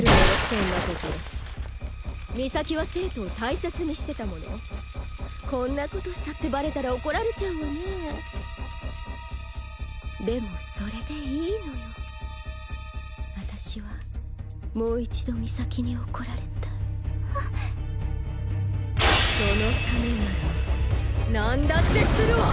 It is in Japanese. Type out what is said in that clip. そんなことミサキは生徒を大切にしてたものこんなことしたってバレたら怒られちゃうわねでもそれでいいのよあたしはもう一度ミサキに怒られたいそのためなら何だってするわ！